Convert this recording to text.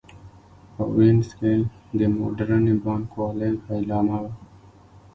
په وینز کې د موډرنې بانک والۍ پیلامه وه.